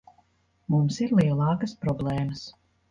Mums ir lielākas problēmas.